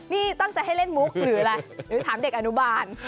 นี่ตั้งใจให้เล่นมุกหรืออะไรหรือถามเด็กอนุบาล